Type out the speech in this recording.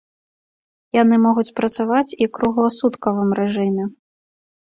Яны могуць працаваць і ў кругласуткавым рэжыме.